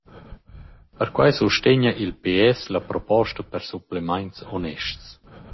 Perquai sustegna il ps la proposta per supplemaints onests.